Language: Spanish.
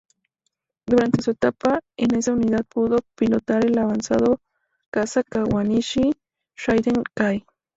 Durante su etapa en esa unidad pudo pilotar el avanzado caza "Kawanishi Shiden-Kai.